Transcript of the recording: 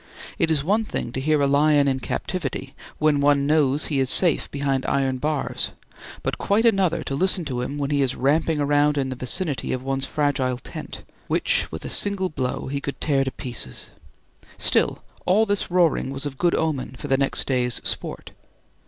It is one thing to hear a lion in captivity, when one knows he is safe behind iron bars; but quite another to listen to him when he is ramping around in the vicinity of one's fragile tent, which with a single blow he could tear to pieces. Still, all this roaring was of good omen for the next day's sport.